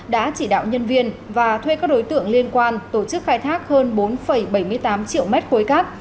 đã chỉ đạo nhân viên và thuê các đối tượng liên quan tổ chức khai thác hơn bốn bảy mươi tám triệu mét khối cát